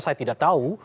saya tidak tahu